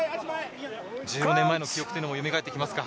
１５年前の記憶もよみがえってきますか？